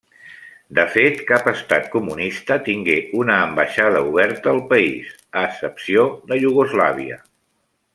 De fet, cap Estat comunista tingué una ambaixada oberta al país, a excepció de Iugoslàvia.